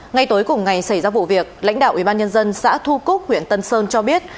ngay tối cùng ngày xảy ra vụ việc lãnh đạo ubnd xã thu cúc huyện tân sơn cho biết